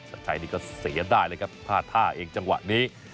ชัดชัยนี่ก็เสียดายเลยครับพลาดท่าเองจังหวะนี้